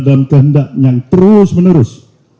kehendak yang terus menerus